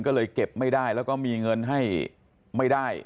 ก็เลยเก็บไม่ได้แล้วก็มีเงินให้ไม่ได้